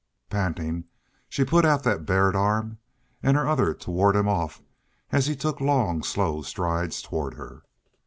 Pantingly she put out that bared arm and her other to ward him off as he took long, slow strides toward her.